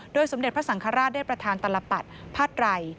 สมเด็จพระสังฆราชได้ประธานตลปัดพาดไร